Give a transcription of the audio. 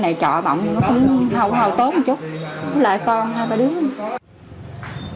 lại con hai ba đứa